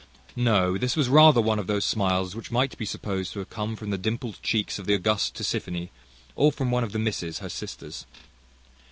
No, this was rather one of those smiles which might be supposed to have come from the dimpled cheeks of the august Tisiphone, or from one of the misses, her sisters.